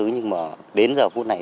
nhưng mà đến giờ phút này